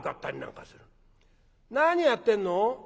「何やってんの？」。